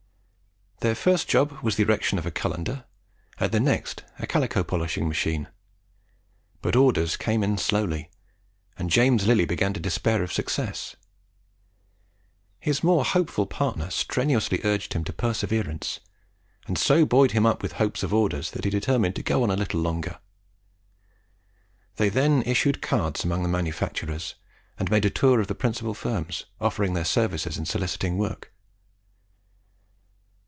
Their first job was the erection of a cullender, and their next a calico polishing machine; but orders came in slowly, and James Lillie began to despair of success. His more hopeful partner strenuously urged him to perseverance, and so buoyed him up with hopes of orders, that he determined to go on a little longer. They then issued cards among the manufacturers, and made a tour of the principal firms, offering their services and soliciting work.